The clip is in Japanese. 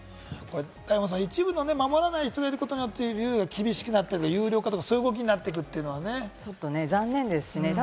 大門さん、一部の守れない人がいることによってルールが厳しくなって、有料化ってそういう動きになっていくのはね、残念ですよね。